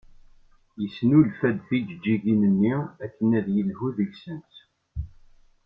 Yesnulfa-d tijeǧǧigin-nni akken ad yelhu deg-sent.